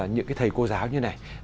những cái thầy cô giáo như này